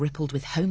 はい。